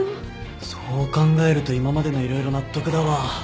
そう考えると今までの色々納得だわ。